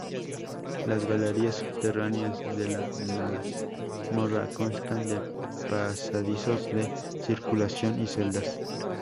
Las galerías subterráneas de la mazmorra constan de pasadizos de circulación y celdas.